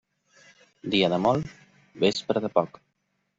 Dia de molt, vespra de poc.